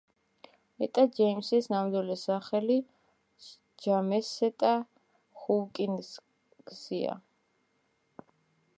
ეტა ჯეიმსის ნამდვილი სახელი ჯამესეტა ჰოუკინგსია.